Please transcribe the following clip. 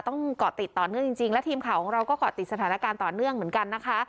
เกาะติดต่อเนื่องจริงและทีมข่าวของเราก็เกาะติดสถานการณ์ต่อเนื่องเหมือนกันนะคะ